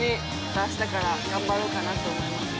あしたから頑張ろうかなと思います。